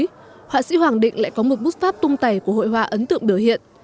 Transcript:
trong đó họa sĩ hoàng định lại có một bút pháp tung tẩy của hội họa ấn tượng biểu hiện